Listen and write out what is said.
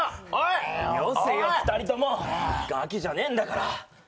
よせよ、二人ともガキじゃないんだから。